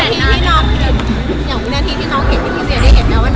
อย่างมีหน้าที่ที่น้องเห็นที่พี่เสียได้เห็นแล้วว่า